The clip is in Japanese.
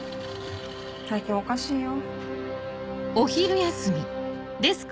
最近おかしいよ。